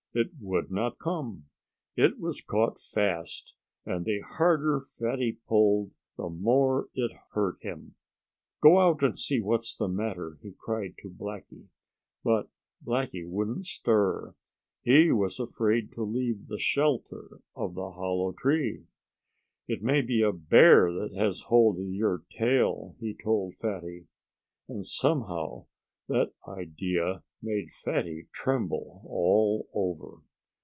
it would not come! It was caught fast! And the harder Fatty pulled the more it hurt him. "Go out and see what's the matter!" he cried to Blackie. But Blackie wouldn't stir. He was afraid to leave the shelter of the hollow tree. "It may be a bear that has hold of your tail," he told Fatty. And somehow, that idea made Fatty tremble all over.